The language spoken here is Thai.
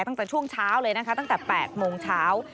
ตั้งแต่ช่วงเช้าเลยนะคะตั้งแต่๘โมงเช้า